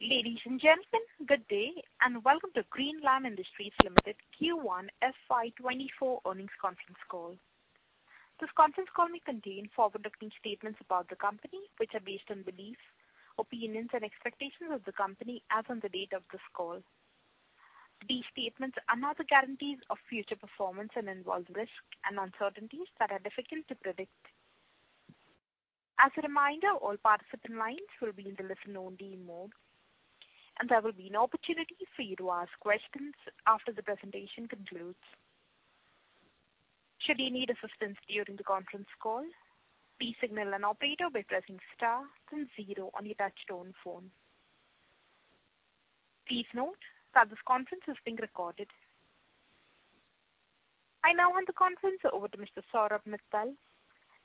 Ladies and gentlemen, good day, and welcome to Greenlam Industries Limited Q1 FY 2024 earnings conference call. This conference call may contain forward-looking statements about the company, which are based on beliefs, opinions, and expectations of the company as on the date of this call. These statements are not guarantees of future performance and involve risks and uncertainties that are difficult to predict. As a reminder, all participant lines will be in the listen-only mode, and there will be an opportunity for you to ask questions after the presentation concludes. Should you need assistance during the conference call, please signal an operator by pressing star then zero on your touchtone phone. Please note that this conference is being recorded. I now hand the conference over to Mr. Saurabh Mittal,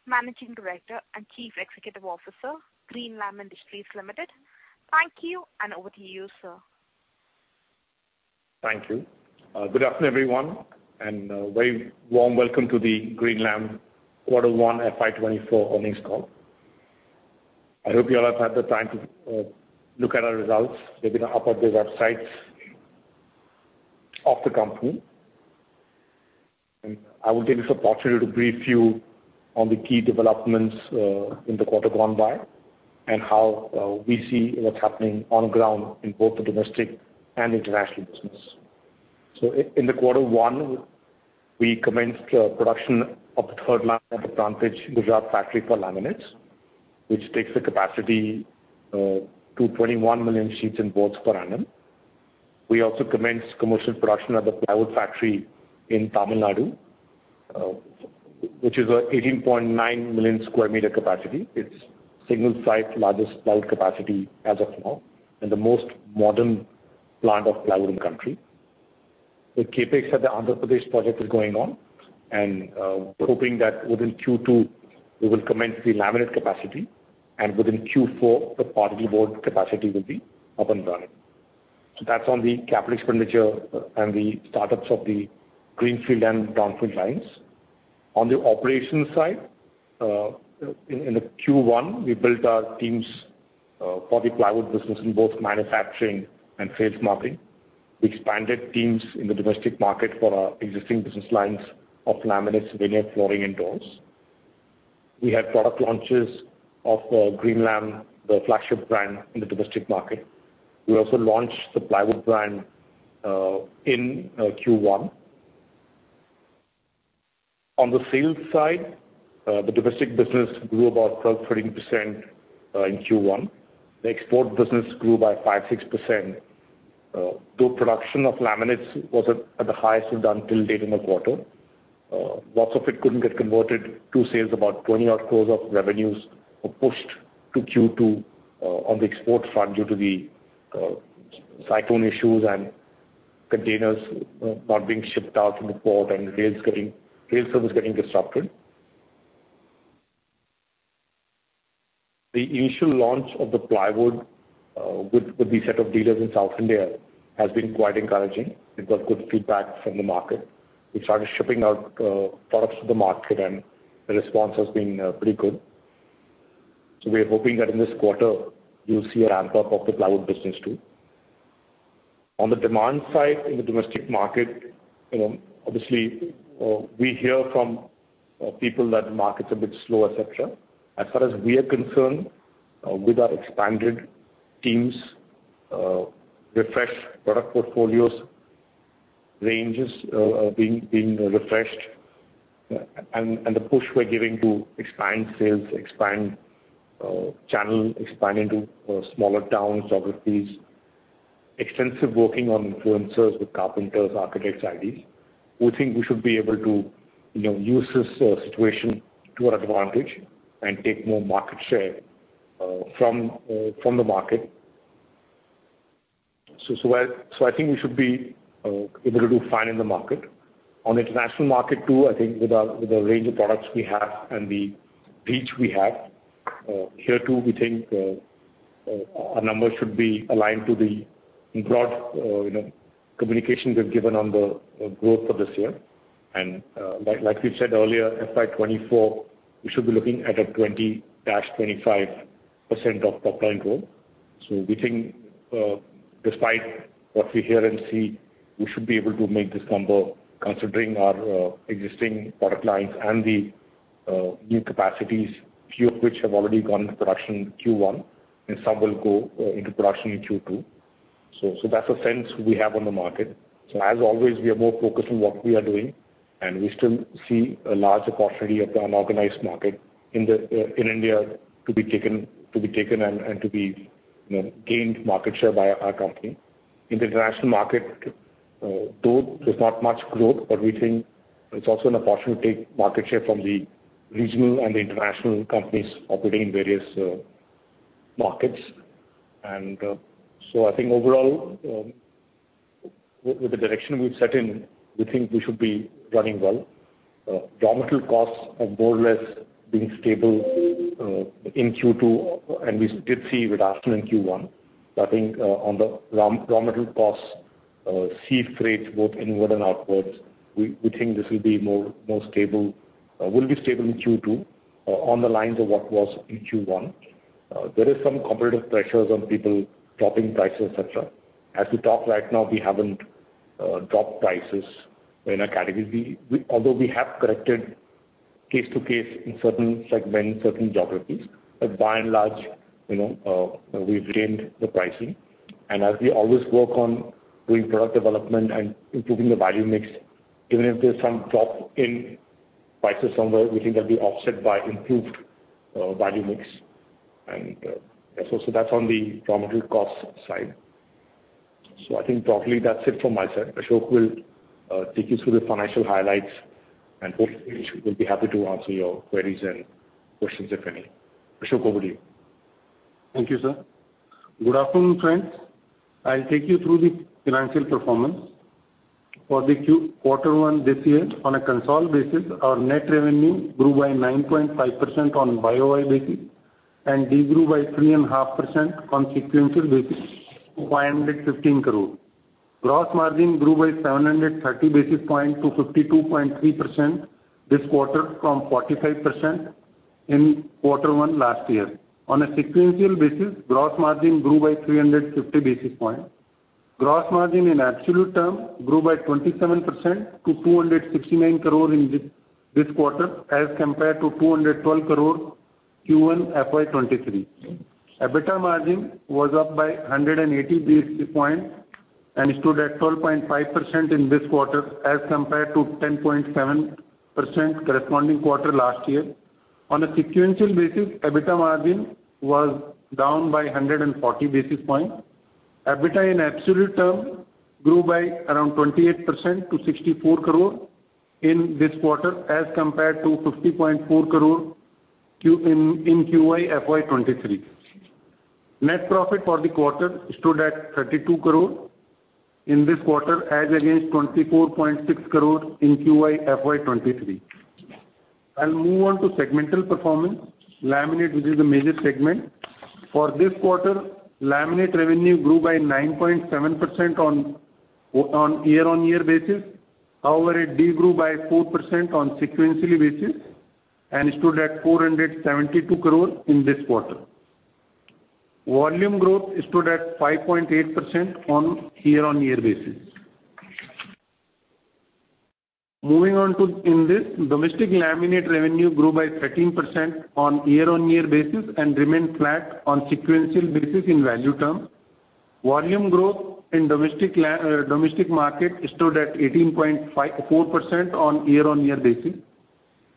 Managing Director and Chief Executive Officer, Greenlam Industries Limited. Thank you, and over to you, sir. Thank you. Good afternoon, everyone, and very warm welcome to the Greenlam Quarter One FY 2024 earnings call. I hope you all have had the time to look at our results. They've been up on the websites of the company. I will take this opportunity to brief you on the key developments in the quarter gone by and how we see what's happening on the ground in both the domestic and international business. In the quarter one, we commenced production of the third plant at Prantij Gujarat factory for laminates, which takes the capacity to 21 million sheets and boards per annum. We also commenced commercial production at the plywood factory in Tamil Nadu, which is a 18.9 million square meter capacity. It's single-site, largest plywood capacity as of now, and the most modern plant of plywood in the country. The CapEx at the Andhra Pradesh project is going on, and we're hoping that within Q2, we will commence the laminate capacity, and within Q4, the particle board capacity will be up and running. That's on the capital expenditure and the startups of the greenfield and brownfield lines. On the operations side, in, in the Q1, we built our teams for the plywood business in both manufacturing and sales marketing. We expanded teams in the domestic market for our existing business lines of laminates, veneer, flooring, and doors. We had product launches of Greenlam, the flagship brand in the domestic market. We also launched the plywood brand in Q1. On the sales side, the domestic business grew about 12%- 13% in Q1. The export business grew by 5%-6%. Though production of laminates was at, at the highest we've done till date in the quarter, lots of it couldn't get converted to sales. About 20 odd crore of revenues were pushed to Q2 on the export front due to the cyclone issues and containers not being shipped out from the port and rails getting rail service getting disrupted. The initial launch of the plywood with, with the set of dealers in South India has been quite encouraging. We've got good feedback from the market. We started shipping out products to the market, and the response has been pretty good. We're hoping that in this quarter, you'll see a ramp-up of the plywood business, too. On the demand side, in the domestic market, you know, obviously, we hear from people that the market's a bit slow, etc.. As far as we are concerned, with our expanded teams, refresh product portfolios, ranges, are being, being refreshed, and the push we're giving to expand sales, expand channel, expand into smaller towns, geographies, extensive working on influencers with carpenters, architects, IDs, we think we should be able to, you know, use this situation to our advantage and take more market share from from the market. I think we should be able to do fine in the market. On the international market, too, I think with the range of products we have and the reach we have, here, too, we think our numbers should be aligned to the broad, you know, communications we've given on the growth for this year. Like we've said earlier, FY 2024, we should be looking at a 20%-25% of top-line growth. We think, despite what we hear and see, we should be able to make this number considering our existing product lines and the new capacities, few of which have already gone into production in Q1, and some will go into production in Q2. That's a sense we have on the market. As always, we are more focused on what we are doing, and we still see a large opportunity of the unorganized market in India to be taken, to be taken and, and to be, you know, gained market share by our company. In the international market, though there's not much growth, but we think it's also an opportunity to take market share from the regional and the international companies operating in various markets. I think overall, with, with the direction we've set in, we think we should be running well. Raw material costs are more or less being stable in Q2, We did see with Aston in Q1. I think on the raw, raw material costs, sea freight, both inward and outwards. We, we think this will be more, more stable, will be stable in Q2, on the lines of what was in Q1. There is some competitive pressures on people dropping prices, etc.. As we talk right now, we haven't dropped prices in a category. Although we have corrected case to case in certain segments, certain geographies, but by and large, you know, we've retained the pricing. As we always work on doing product development and improving the value mix, even if there's some drop in prices somewhere, we think that'll be offset by improved value mix. So that's on the raw material cost side. I think broadly, that's it from my side. Ashok will take you through the financial highlights, and hopefully, we'll be happy to answer your queries and questions, if any. Ashok, over to you. Thank you, sir. Good afternoon, friends. I'll take you through the financial performance. For the quarter one this year, on a consolidated basis, our net revenue grew by 9.5% on YoY basis, and de-grew by 3.5% on sequential basis, to 515 crore. Gross margin grew by 730 basis points to 52.3% this quarter from 45% in quarter one last year. On a sequential basis, gross margin grew by 350 basis points. Gross margin in absolute term, grew by 27% to 269 crore in this quarter, as compared to 212 crore Q1 FY 2023. EBITDA margin was up by 180 basis points, and stood at 12.5% in this quarter, as compared to 10.7% corresponding quarter last year. On a sequential basis, EBITDA margin was down by 140 basis points. EBITDA in absolute term, grew by around 28% to 64 crore in this quarter, as compared to 50.4 crore in Q1 FY 2023. Net profit for the quarter stood at 32 crore in this quarter, as against 24.6 crore in Q1 FY 2023. I'll move on to segmental performance. Laminate, which is the major segment. For this quarter, laminate revenue grew by 9.7% on year-on-year basis. However, it de-grew by 4% on sequentially basis, and stood at 472 crore in this quarter. Volume growth stood at 5.8% on year-on-year basis. Domestic laminate revenue grew by 13% on year-on-year basis, and remained flat on sequential basis in value term. Volume growth in domestic market stood at 18.4% on year-on-year basis.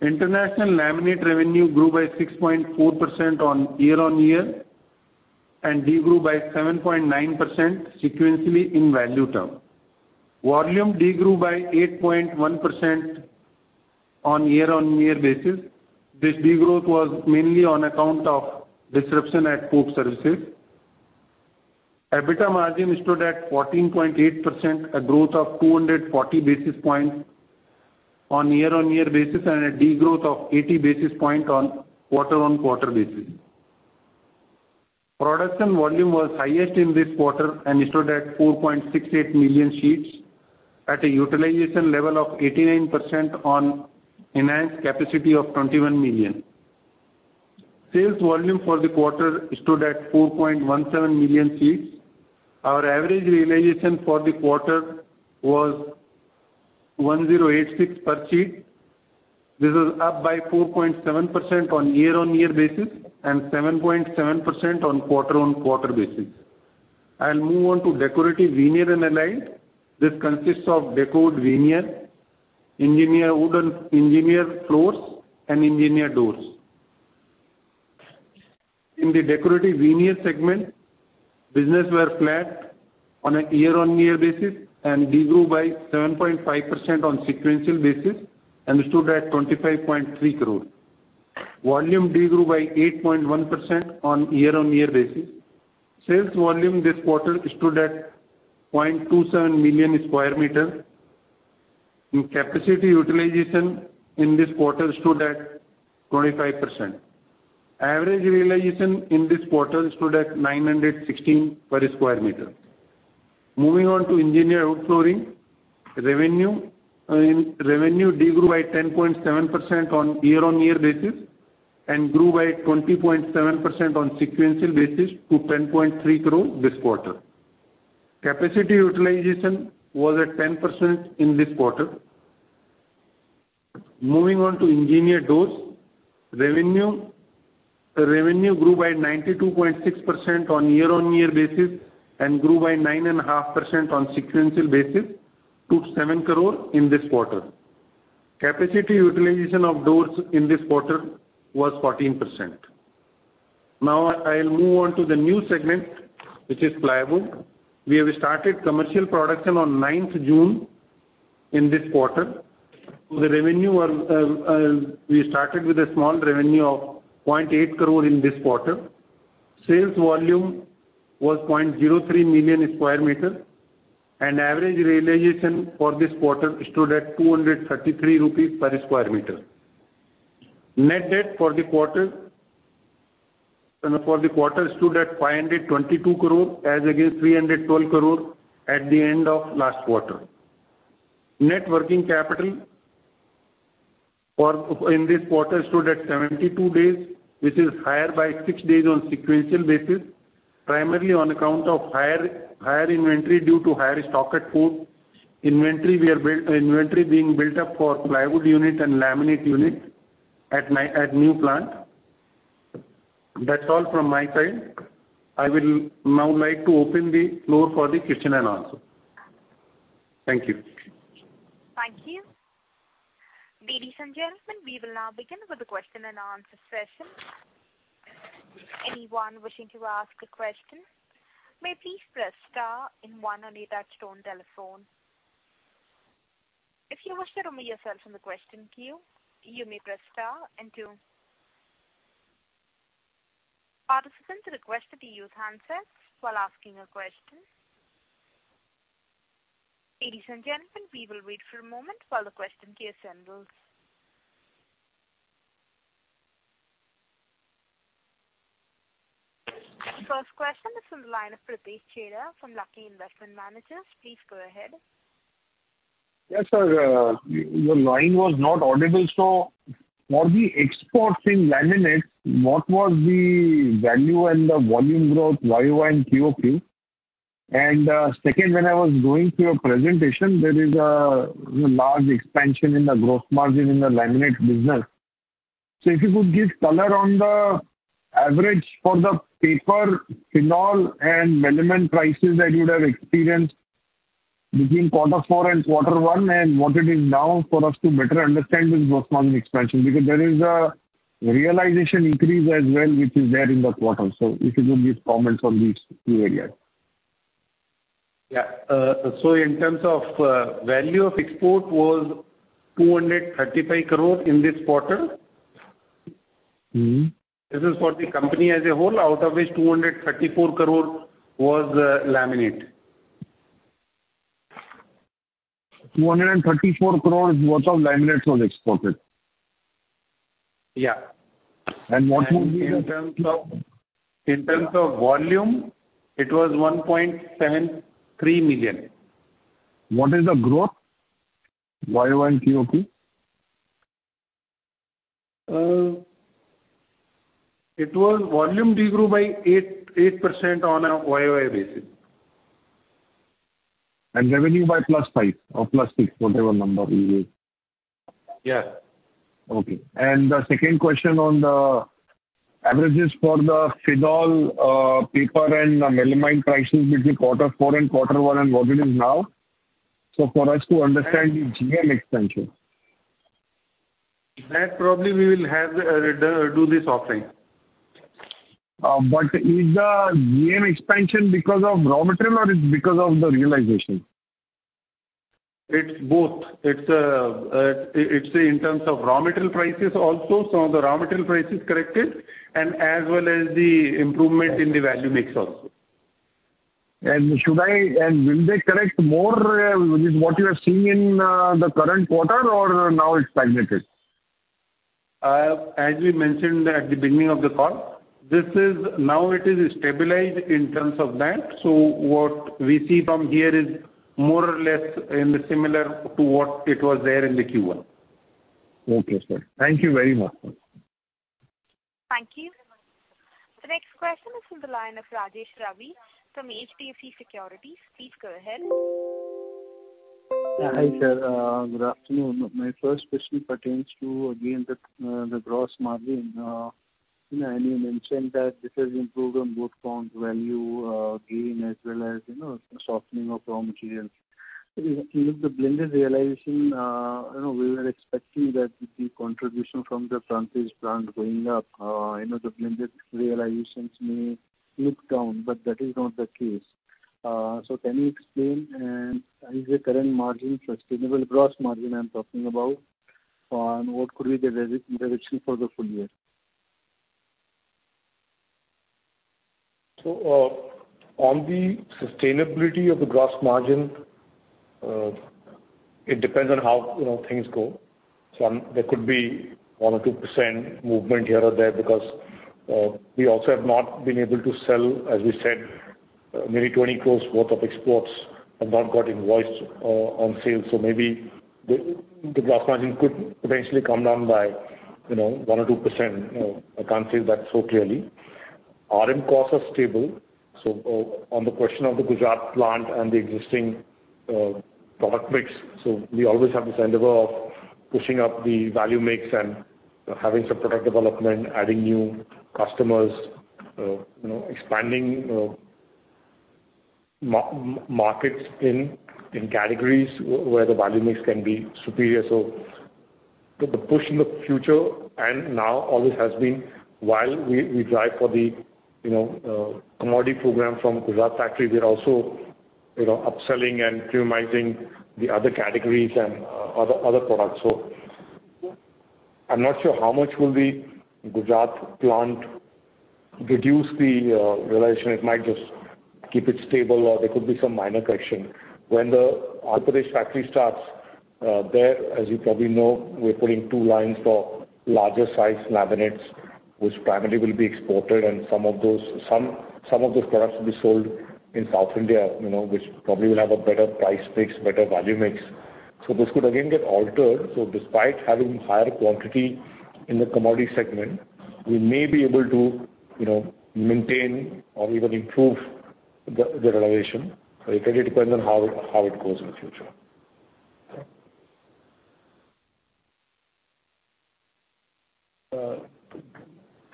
International laminate revenue grew by 6.4% on year-on-year, and de-grew by 7.9% sequentially in value term. Volume de-grew by 8.1% on year-on-year basis. This de-growth was mainly on account of disruption at port services. EBITDA margin stood at 14.8%, a growth of 240 basis points on year-on-year basis, and a de-growth of 80 basis point on quarter-on-quarter basis. Production volume was highest in this quarter, and it stood at 4.68 million sheets, at a utilization level of 89% on enhanced capacity of 21 million. Sales volume for the quarter stood at 4.17 million sheets. Our average realization for the quarter was 1,086 per sheet. This is up by 4.7% on year-on-year basis, and 7.7% on quarter-on-quarter basis. I'll move on to decorative veneer and allied. This consists of decorative veneer, engineered wooden, engineered floors, and engineered doors. In the decorative veneer segment, business were flat on a year-on-year basis, and de-grew by 7.5% on sequential basis, and stood at 25.3 crore. Volume de-grew by 8.1% on year-on-year basis. Sales volume this quarter stood at 0.27 million square meters, and capacity utilization in this quarter stood at 25%. Average realization in this quarter stood at 916 per square meter. Moving on to engineered wood flooring. Revenue, in revenue de-grew by 10.7% on year-on-year basis, and grew by 20.7% on sequential basis to 10.3 crore this quarter. Capacity utilization was at 10% in this quarter. Moving on to engineered doors. Revenue, revenue grew by 92.6% on year-on-year basis, and grew by 9.5% on sequential basis, to 7 crore in this quarter. Capacity utilization of doors in this quarter was 14%. Now, I'll move on to the new segment, which is plywood. We have started commercial production on nineth June, in this quarter. The revenue are, we started with a small revenue of 0.8 crore in this quarter. Sales volume was 0.03 million square meter, and average realization for this quarter stood at 233 rupees per square meter. Net debt for the quarter. For the quarter stood at 522 crore, as against 312 crore at the end of last quarter. Net working capital in this quarter stood at 72 days, which is higher by six days on sequential basis, primarily on account of higher inventory due to higher stock at port. Inventory being built up for plywood unit and laminate unit at new plant. That's all from my side. I will now like to open the floor for the question and answer. Thank you. Thank you. Ladies and gentlemen, we will now begin with the question and answer session. Anyone wishing to ask a question, may please press star and one on your touchtone telephone. If you wish to remove yourself from the question queue, you may press star and two. Participants are requested to use handsets while asking a question. Ladies and gentlemen, we will wait for a moment while the question queue assembles. First question is from the line of Pritesh Chheda, from Lucky Investment Managers. Please go ahead. Yes, sir, your line was not audible. For the exports in laminate, what was the value and the volume growth, YoY and QoQ? Second, when I was going through your presentation, there is a large expansion in the gross margin in the laminate business. If you could give color on the average for the paper, phenol and melamine prices that you would have experienced between quarter four and quarter one, and what it is now for us to better understand this gross margin expansion, because there is a realization increase as well, which is there in the quarter. If you could give comments on these two areas. Yeah. In terms of, value of export was 235 crore in this quarter? Mm-hmm. This is for the company as a whole, out of which 234 crore was laminate? 234 crore worth of laminates was exported? Yeah. What would be the- In terms of volume, it was 1.73 million. What is the growth, YoY and QoQ? It was volume de-grew by 8% on a YoY basis. Revenue by +5% or +6%, whatever number you use. Yes. Okay. The second question on the averages for the phenol, paper and melamine prices between quarter four and quarter one, and what it is now, so for us to understand the GM expansion. That probably we will have to do this offline. Is the GM expansion because of raw material or is it because of the realization? It's both. It's in terms of raw material prices also. The raw material prices corrected and as well as the improvement in the value mix also. Will they correct more, with what you are seeing in the current quarter or now it's stagnant? As we mentioned at the beginning of the call, this is, now it is stabilized in terms of that. What we see from here is more or less in the similar to what it was there in the Q1. Okay, sir. Thank you very much. Thank you. The next question is from the line of Rajesh Ravi from HDFC Securities. Please go ahead. Hi, sir. Good afternoon. My first question pertains to, again, the gross margin. You know, you mentioned that this has improved on both counts, value gain, as well as, you know, softening of raw materials. If the blended realization, you know, we were expecting that the contribution from the franchise plant going up, you know, the blended realizations may dip down, that is not the case. Can you explain, and is the current margin sustainable? Gross margin, I'm talking about, and what could be the direction for the full year? On the sustainability of the gross margin, it depends on how, you know, things go. There could be 1% or 2% movement here or there, because we also have not been able to sell, as we said, maybe 20 crore worth of exports, have not got invoiced on sales. Maybe the gross margin could potentially come down by, you know, 1% or 2%. I can't say that so clearly. RM costs are stable. On the question of the Gujarat plant and the existing product mix, we always have this endeavor of pushing up the value mix and having some product development, adding new customers, you know, expanding markets in categories where the value mix can be superior. The push in the future and now always has been, while we, we drive for the, you know, commodity program from Gujarat factory, we're also, you know, upselling and pumicing the other categories and other products. I'm not sure how much will the Gujarat plant reduce the realization. It might just keep it stable or there could be some minor correction. When the Andhra Pradesh factory starts there, as you probably know, we're putting two lines for larger size laminates, which primarily will be exported, and some of those products will be sold in South India, you know, which probably will have a better price mix, better value mix. This could again get altered. Despite having higher quantity in the commodity segment, we may be able to, you know, maintain or even improve the realization. It really depends on how, how it goes in the future.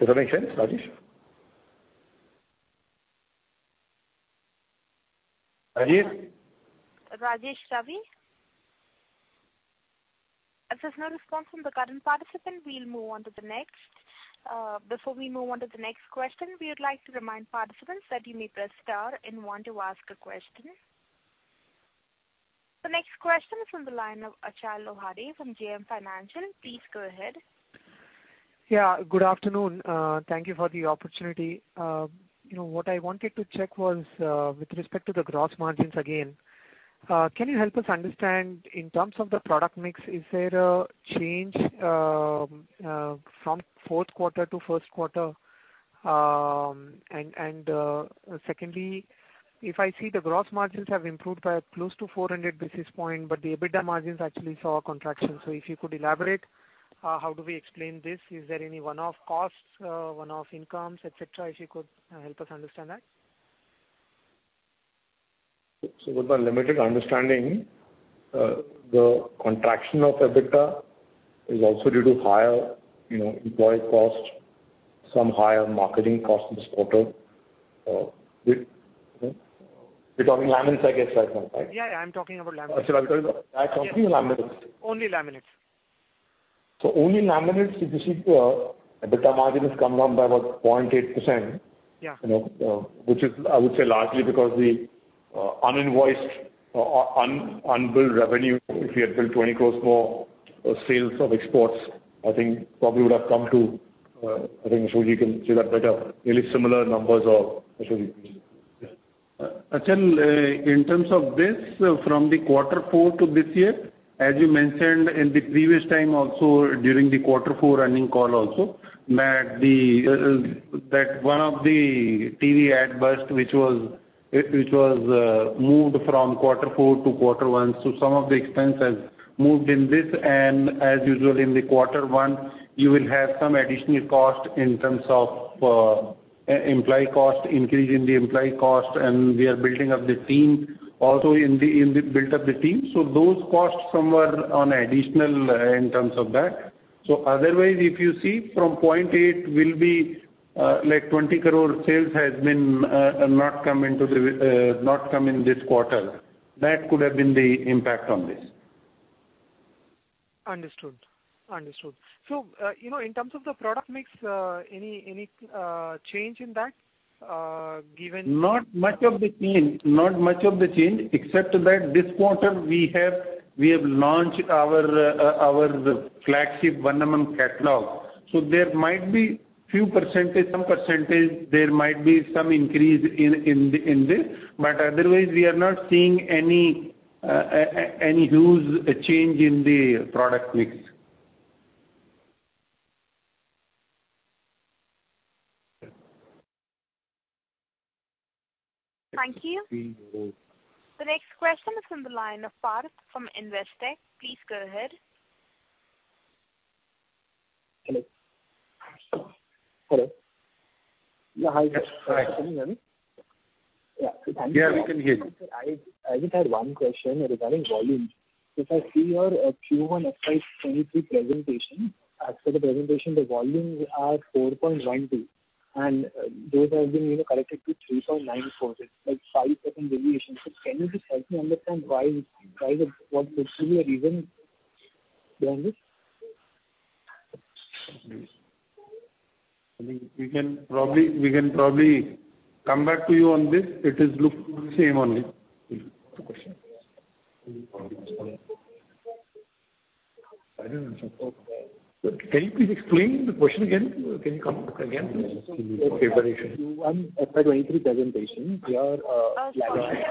Does that make sense, Rajesh? Rajesh? Rajesh Ravi? If there's no response from the current participant, we'll move on to the next. Before we move on to the next question, we would like to remind participants that you may press star and one to ask a question. The next question is from the line of Achal Lohade from JM Financial. Please go ahead. Yeah, good afternoon. Thank you for the opportunity. You know, what I wanted to check was, with respect to the gross margins again, can you help us understand in terms of the product mix, is there a change from fourth quarter to first quarter? Secondly, if I see the gross margins have improved by close to 400 basis points, but the EBITDA margins actually saw a contraction. If you could elaborate, how do we explain this? Is there any one-off costs, one-off incomes, et cetera, if you could help us understand that? With my limited understanding, the contraction of EBITDA is also due to higher, you know, employee costs, some higher marketing costs this quarter. You're talking laminates, I guess, right now, right? Yeah, I'm talking about laminates. Actually, are you talking about that company or laminates? Only laminates. Only laminates, if you see here, EBITDA margin has come down by about 0.8%. Yeah. You know, which is, I would say, largely because the un-invoiced or unbilled revenue, if we had billed 20 crore more, sales of exports, I think probably would have come to, I think Ashok can say that better, really similar numbers of Ashok. Achal, in terms of this, from the quarter four to this year, as you mentioned in the previous time also, during the quarter four earnings call also, that one of the TV ad burst, which was moved from quarter four to quarter one. Some of the expense has moved in this, and as usual in the quarter one, you will have some additional cost in terms of employee cost, increase in the employee cost, and we are building up the team. Also in the build up the team. Those costs some were on additional, in terms of that. Otherwise, if you see from 0.8% will be, like 20 crore sales has been not come in this quarter. That could have been the impact on this. Understood. Understood. You know, in terms of the product mix, any, any, change in that, given... Not much of the change, not much of the change, except that this quarter we have, we have launched our, our flagship one mm catalog. There might be few percentage, some percentage, there might be some increase in, in the, in this, but otherwise we are not seeing any, any huge change in the product mix. Thank you. The next question is on the line of Parth from Investec. Please go ahead. Hello? Hello. Yeah, hi. Hi. Yeah. Yeah, we can hear you. I, I just had one question regarding volumes. If I see your Q1 FY 2023 presentation, as per the presentation, the volumes are 4.12, and those have been, you know, corrected to 3.94, that's 5% deviation. Can you just help me understand why, why the, what could be the reason behind this? I think we can probably, we can probably come back to you on this. It is look same only. Can you please explain the question again? Can you come again, please? Q1 FY 2023 presentation, we are. Sorry,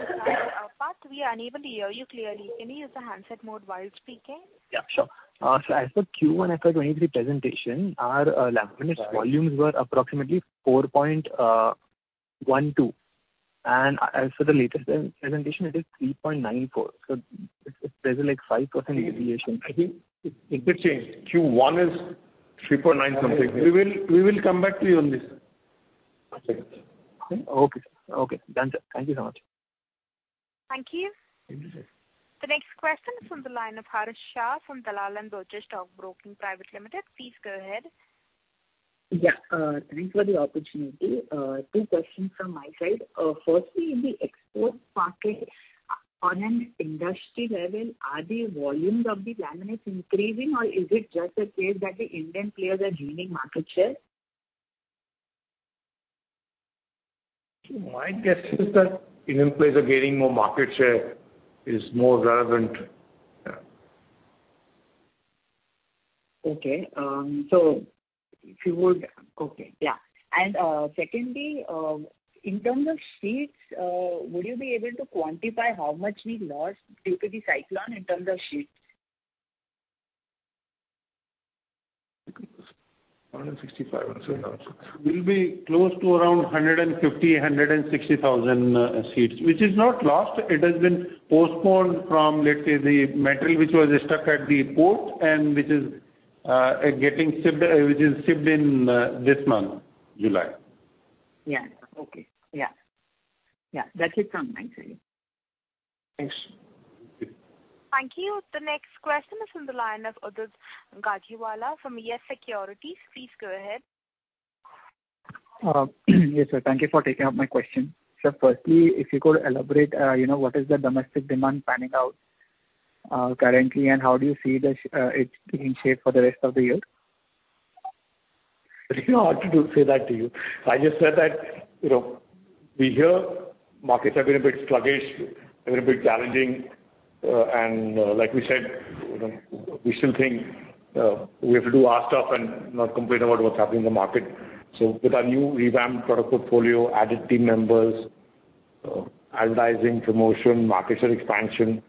Parth, we are unable to hear you clearly. Can you use the handset mode while speaking? Yeah, sure. As for Q1 FY 2023 presentation, our laminates volumes were approximately 4.12. As for the latest presentation, it is 3.94. There's like 5% deviation. I think it, it will change. Q1 is 3.9 something. We will, we will come back to you on this. Okay. Okay. Done, sir. Thank you so much. Thank you. Thank you, sir. The next question is from the line of Harsh Shah from Dalal And Broacha Stock Broking Private Limited. Please go ahead. Yeah, thanks for the opportunity. Two questions from my side. Firstly, in the export market, on an industry level, are the volumes of the laminates increasing, or is it just a case that the Indian players are gaining market share? My guess is that Indian players are gaining more market share is more relevant. Yeah. Okay, okay, yeah. Secondly, in terms of sheets, would you be able to quantify how much we lost due to the cyclone in terms of sheets? 165, will be close to around 150,000-160,000 sheets, which is not lost. It has been postponed from, let's say, the material which was stuck at the port and which is getting shipped, which is shipped in this month, July. Yeah. Okay. Yeah. Yeah, that is fine. Thanks. Thanks. Thank you. The next question is from the line of Udit Gajiwala from YES Securities. Please go ahead. Yes, sir. Thank you for taking up my question. Sir, firstly, if you could elaborate, you know, what is the domestic demand panning out, currently? How do you see the, it in shape for the rest of the year? You know, how to say that to you. I just said that, you know, we hear markets have been a bit sluggish, a little bit challenging, and, like we said, you know, we still think, we have to do our stuff and not complain about what's happening in the market. With our new revamped product portfolio, added team members, advertising, promotion, market share expansion,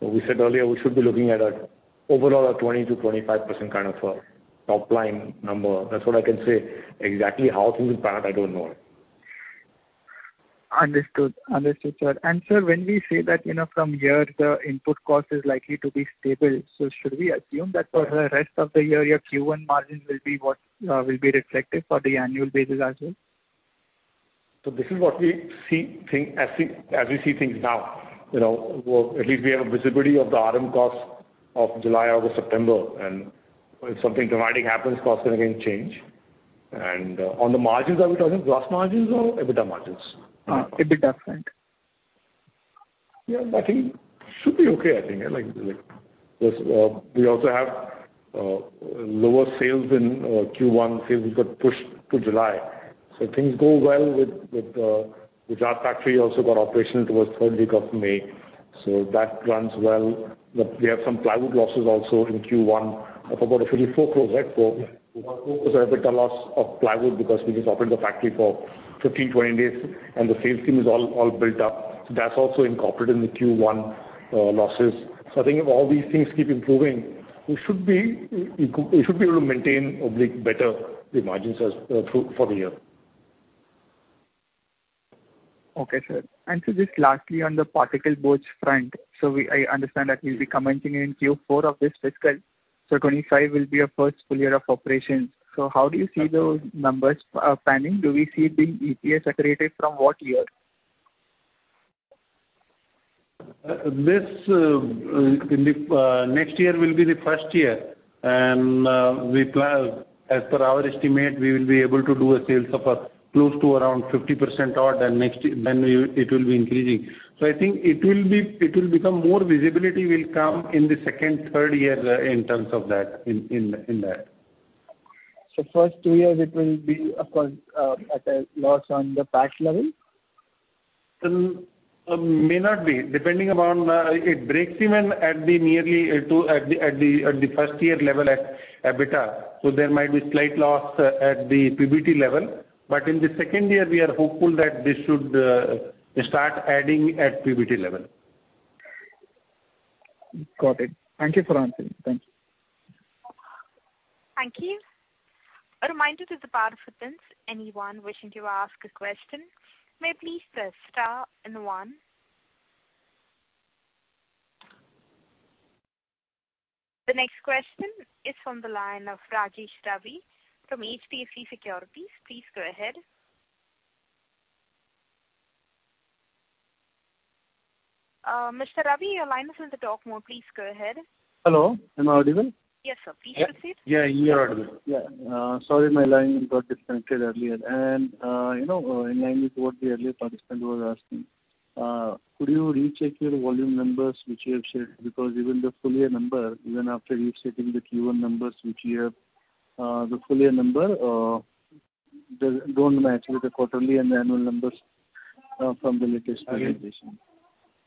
we said earlier, we should be looking at a overall a 20% to 25% kind of a top-line number. That's what I can say. Exactly how things will pan out, I don't know. Understood. Understood, sir. Sir, when we say that, you know, from here, the input cost is likely to be stable, so should we assume that for the rest of the year, your Q1 margins will be what will be reflected for the annual basis as well? This is what we see things as we see things now. You know, at least we have a visibility of the RM cost of July, August, September, and if something dramatic happens, costs are going to change. On the margins, are we talking gross margins or EBITDA margins? EBITDA, frank. Yeah, I think should be okay, I think. Like, like, just, we also have lower sales in Q1. Sales got pushed to July. Things go well with, with, with our factory also got operational towards third week of May, so that runs well. We have some plywood losses also in Q1 of about 54 crore expo. EBITDA loss of plywood because we just opened the factory for 15-20 days, and the sales team is all, all built up. That's also incorporated in the Q1 losses. I think if all these things keep improving, we should be, we, we should be able to maintain, probably, better the margins as for, for the year. Okay, sir. Just lastly, on the particle boards front, so I understand that we'll be commencing in Q4 of this fiscal, so 2025 will be our first full year of operation. How do you see those numbers panning? Do we see the EPS separated from what year? This, the, next year will be the first year, and we plan, as per our estimate, we will be able to do a sales of, close to around 50% odd. Next year, then we it will be increasing. I think it will be it will become more visibility will come in the second, third year, in terms of that, in, in, in that. First two years it will be, of course, at a loss on the patch level? May not be, depending upon, it breaks even at the nearly to first year level at EBITDA. There might be slight loss at the PBT level. In the second year, we are hopeful that this should start adding at PBT level. Got it. Thank you for answering. Thank you. Thank you. A reminder to the participants, anyone wishing to ask a question may please press star and one. The next question is from the line of Rajesh Ravi from HDFC Securities. Please go ahead. Mr. Ravi, your line is on the talk mode. Please go ahead. Hello, am I audible? Yes, sir. Please proceed. Yeah, you are audible. Yeah, sorry, my line got disconnected earlier. You know, in line with what the earlier participant was asking, could you recheck your volume numbers which you have shared? Because even the full year number, even after resetting the Q1 numbers which you have, the full year number don't match with the quarterly and annual numbers from the latest presentation.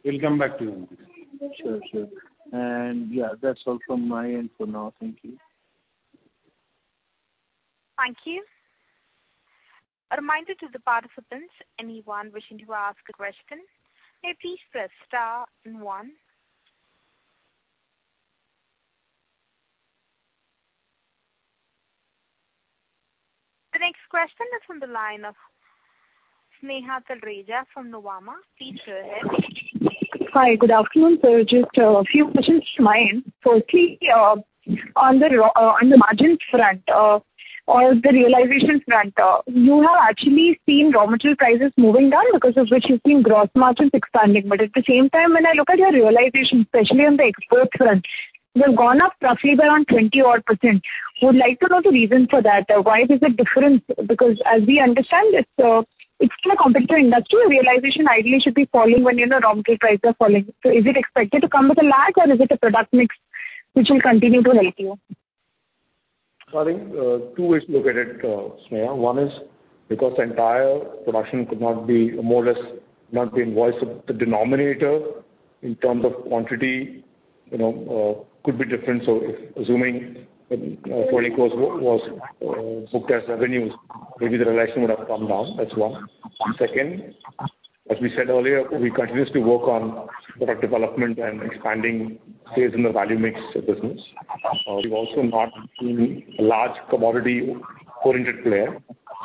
We'll come back to you. Sure, sure. Yeah, that's all from my end for now. Thank you. Thank you. A reminder to the participants, anyone wishing to ask a question, may please press star and one. The next question is from the line of Sneha Talreja from Nuvama. Please go ahead. Hi, good afternoon, sir. Just a few questions from my end. Firstly, on the raw, on the margins front, or the realization front, you have actually seen raw material prices moving down, because of which you've seen gross margins expanding. At the same time, when I look at your realization, especially on the export front, you have gone up roughly by around 20 odd %. I would like to know the reason for that. Why there's a difference? As we understand, it's, it's still a competitive industry, realization ideally should be falling when, you know, raw material prices are falling. Is it expected to come with a lag, or is it a product mix which will continue to help you?... I think, two ways to look at it, Sneha. One is because the entire production could not be more or less not being voiced, the denominator in terms of quantity, you know, could be different. So if assuming INR 40 crores was booked as revenues, maybe the realization would have come down. That's one. Second, as we said earlier, we continuously work on product development and expanding sales in the value mix business. We've also not seen a large commodity-oriented player,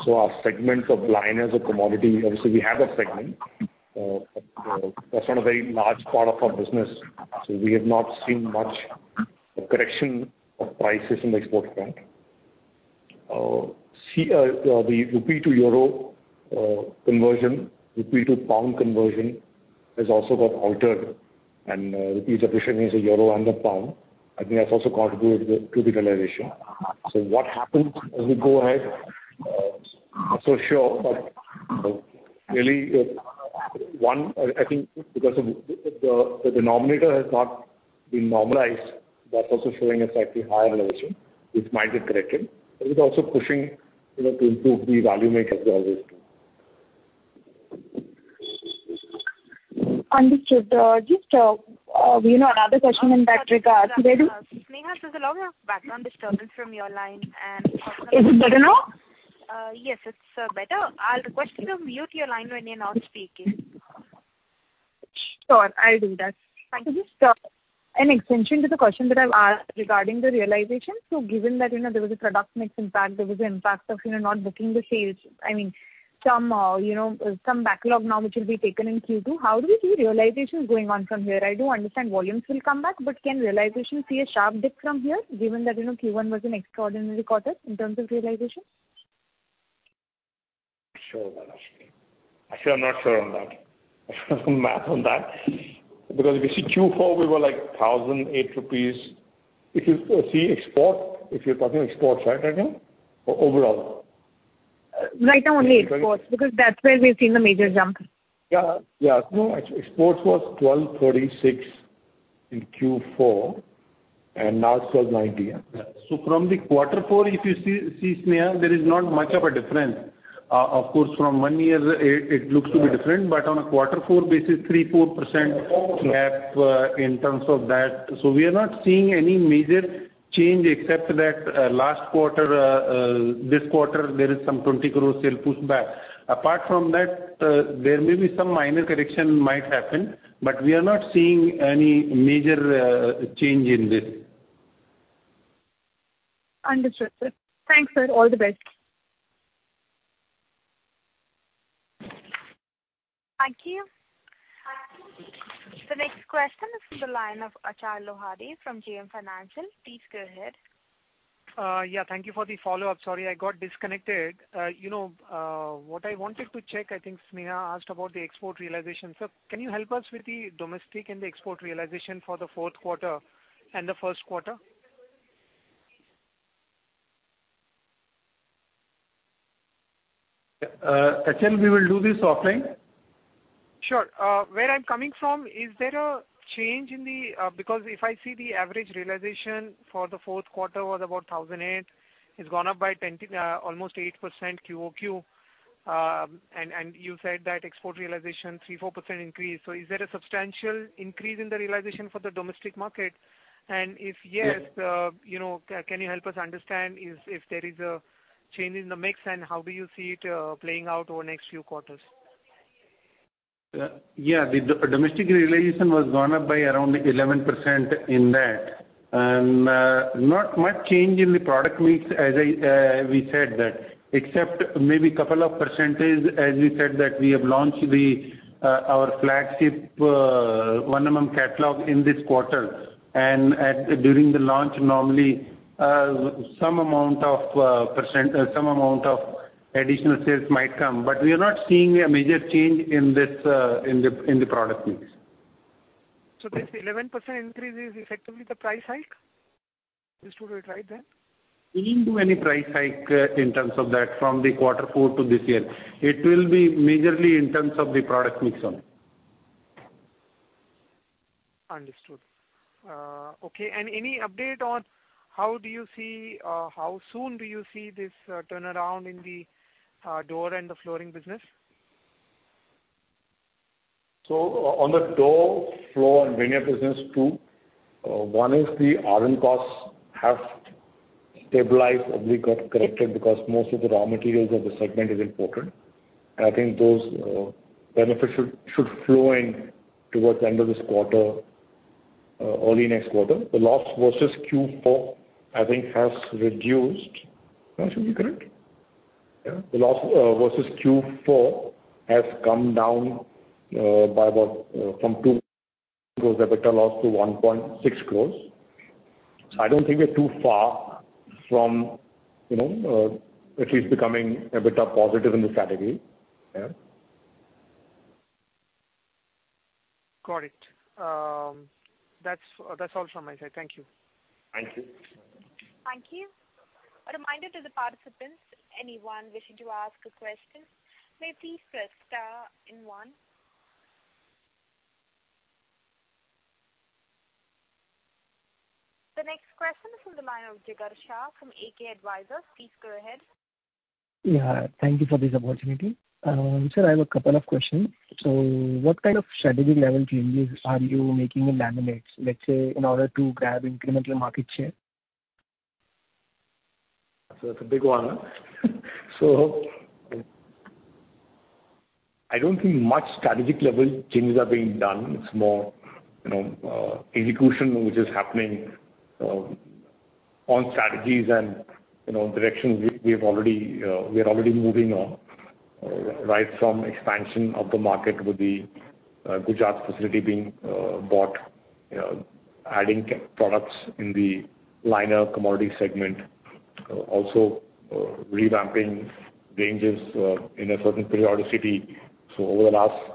so our segment of blind as a commodity, obviously, we have a segment, but that's not a very large part of our business, so we have not seen much correction of prices in the export front. See, the rupee to euro conversion, rupee to pound conversion, has also got altered, and rupee depreciation is a euro and the pound. I think that's also contributed to the realization. What happens as we go ahead? Not so sure, but really, one, I think because of the, the denominator has not been normalized, that's also showing a slightly higher realization, which might get corrected, but it's also pushing, you know, to improve the value mix as well. Understood. Just another question from Patrick Redu. Sneha, there's a lot of background disturbance from your line, and- Is it better now? Yes, it's better. I'll request you to mute your line when you're not speaking. Sure, I'll do that. Thank you. Just an extension to the question that I asked regarding the realization. Given that, you know, there was a product mix impact, there was an impact of, you know, not booking the sales. I mean, some, you know, some backlog now, which will be taken in Q2. How do we see realization going on from here? I do understand volumes will come back, but can realization see a sharp dip from here, given that, you know, Q1 was an extraordinary quarter in terms of realization? Sure, I'm not sure on that. I should have the math on that. If you see Q4, we were like 1,008 rupees. If you see export, if you're talking export right, I think, or overall? Right now, only exports, because that's where we've seen the major jump. Yeah. Yeah. No, exports was 1,236 million in Q4. Now it's 1,290 million. From the quarter four, if you see, see, Sneha, there is not much of a difference. Of course, from one year, it, it looks to be different, but on a quarter four basis, 3-4% gap, in terms of that. We are not seeing any major change except that, last quarter, this quarter, there is some 20 crore sale pushback. Apart from that, there may be some minor correction might happen, but we are not seeing any major change in this. Understood, sir. Thanks, sir. All the best. Thank you. The next question is from the line of Achal Lohade from JM Financial. Please go ahead. Yeah, thank you for the follow-up. Sorry, I got disconnected. You know, what I wanted to check, I think Sneha asked about the export realization. Sir, can you help us with the domestic and export realization for the fourth quarter and the first quarter? Achal, we will do this offline. Sure. Where I'm coming from, is there a change in the because if I see the average realization for the fourth quarter was about 1,008, it's gone up by 20, almost 8% QoQ. You said that export realization, 3-4% increase. Is there a substantial increase in the realization for the domestic market? If yes, you know, can you help us understand is if there is a change in the mix, and how do you see it playing out over the next few quarters? Yeah, the domestic realization was gone up by around 11% in that. Not much change in the product mix, as I, we said that, except maybe a couple of percentage, as we said, that we have launched the our flagship 1 mm catalog in this quarter. During the launch, normally, some amount of percent, some amount of additional sales might come, but we are not seeing a major change in this, in the, in the product mix. This 11% increase is effectively the price hike? Just to it, right then. We didn't do any price hike in terms of that from the Q4 to this year. It will be majorly in terms of the product mix only. Understood. Okay, any update on how do you see, how soon do you see this turnaround in the door and the flooring business? On the door, floor and veneer business too, one is the RM costs have stabilized, probably got corrected, because most of the raw materials of the segment is imported. I think those benefits should, should flow in towards the end of this quarter, early next quarter. The loss versus Q4, I think, has reduced. That should be correct? Yeah. The loss versus Q4 has come down by about from 2 crore EBITDA loss to 1.6 crore. I don't think we're too far from, you know, at least becoming a bit of positive in this category. Yeah. Got it. That's, that's all from my side. Thank you. Thank you. Thank you. A reminder to the participants, anyone wishing to ask a question, may please press star and one. The next question is from the line of Jigar Shah from AK Advisors. Please go ahead. Yeah, thank you for this opportunity. sir, I have a couple of questions. What kind of strategic level changes are you making in laminates, let's say, in order to grab incremental market share? It's a big one. I don't think much strategic level changes are being done. It's more, you know, execution which is happening on strategies and, you know, directions we, we have already, we are already moving on, right from expansion of the market with the Gujarat facility being bought, you know, adding products in the liner commodity segment. Also revamping ranges in a certain periodicity. Over the last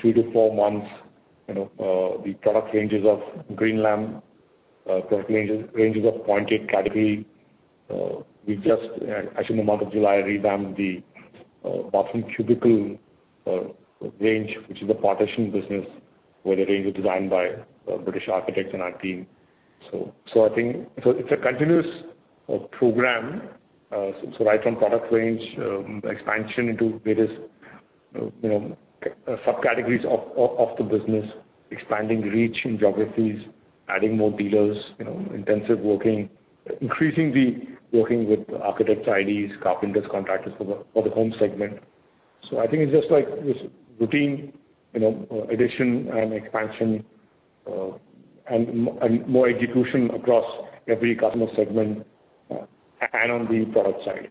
three to four months, you know, the product ranges of Greenlam, product ranges, ranges of plywood category. We just actually in the month of July, revamped the bathroom cubicle range, which is the partition business, where the range is designed by British architects and our team. I think... It's a continuous program, so right from product range, expansion into various, you know, subcategories of, of, of the business, expanding reach in geographies, adding more dealers, you know, intensive working, increasingly working with architects, IDs, carpenters, contractors for the, for the home segment. I think it's just like this routine, you know, addition and expansion, and more execution across every customer segment, and on the product side.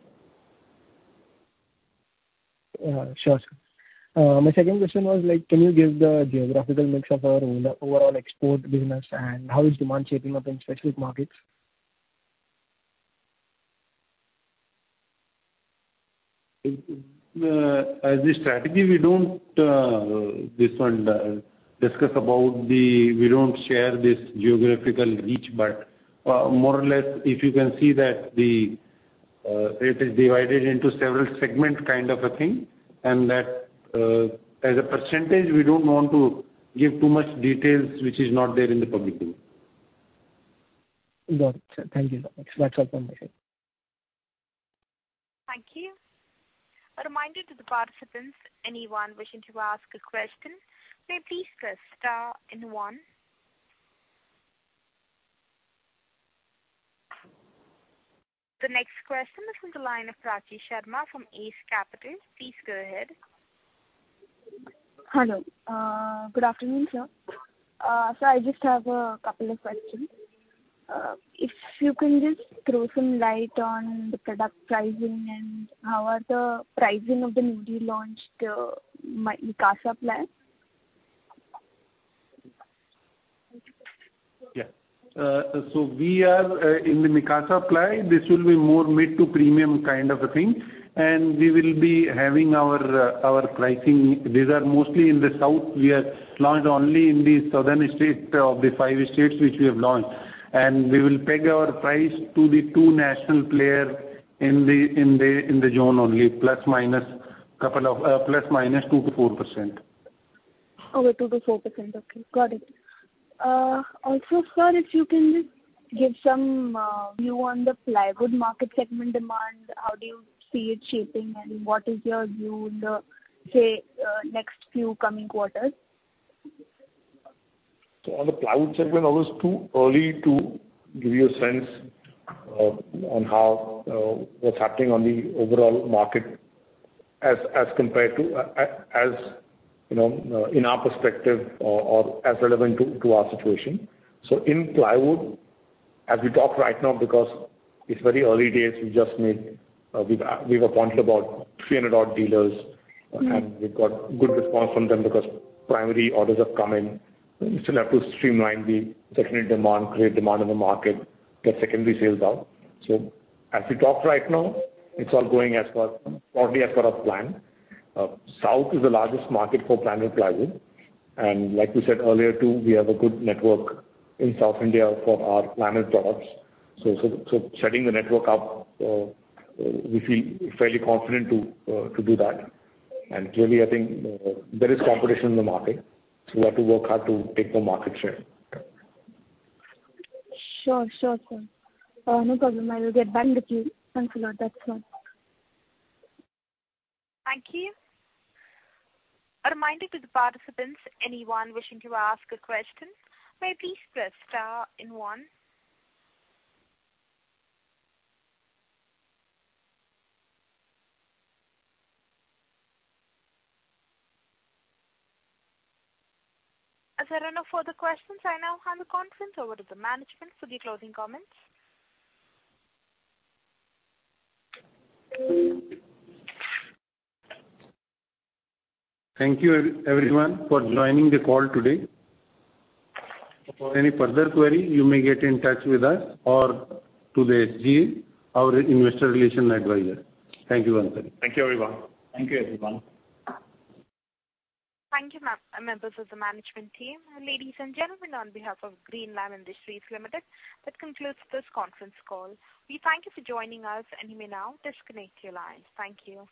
Sure, sir. My second question was like, can you give the geographical mix of our overall export business, and how is demand shaping up in specific markets? As a strategy, we don't, this one, discuss about the. We don't share this geographical reach, but, more or less, if you can see that the, it is divided into several segment kind of a thing, and that, as a percentage, we don't want to give too much details, which is not there in the public domain. Got it, sir. Thank you so much. That's all from my side. Thank you. A reminder to the participants, anyone wishing to ask a question, may please press star and one. The next question is from the line of Prachi Sharma from Ace Capital. Please go ahead. Hello. Good afternoon, sir. I just have two questions. If you can just throw some light on the product pricing and how are the pricing of the newly launched, Mikasa Ply? We are in the Mikasa Ply, this will be more mid to premium kind of a thing, and we will be having our pricing. These are mostly in the south. We are launched only in the southern state of the five states which we have launched, and we will peg our price to the two national player in the zone only, plus minus couple of, plus minus 2%-4%. Over 2%-4%. Okay, got it. Also, sir, if you can just give some view on the plywood market segment demand, how do you see it shaping, and what is your view in the, say, next few coming quarters? On the plywood segment, I was too early to give you a sense of, on how, what's happening on the overall market as, as compared to, as, you know, in our perspective or, or as relevant to, to our situation. In plywood, as we talk right now, because it's very early days, we just made, we've, we've appointed about 300 odd dealers- Mm-hmm. We've got good response from them because primary orders have come in. We still have to streamline the secondary demand, create demand in the market, get secondary sales out. As we talk right now, it's all going as per, broadly as per our plan. South is the largest market for planet plywood, and like we said earlier, too, we have a good network in South India for our planet products. Setting the network up, we feel fairly confident to do that. Clearly, I think there is competition in the market, so we have to work hard to take the market share. Sure. Sure, sir. No problem, I will get back with you. Thanks a lot. That's all. Thank you. A reminder to the participants, anyone wishing to ask a question, may please press star and one. As there are no further questions, I now hand the conference over to the management for the closing comments. Thank you everyone for joining the call today. For any further query, you may get in touch with us or to the SGA, our investor relations advisor. Thank you once again. Thank you, everyone. Thank you, everyone. Thank you, members of the management team. Ladies and gentlemen, on behalf of Greenlam Industries Limited, that concludes this conference call. We thank you for joining us. You may now disconnect your lines. Thank you.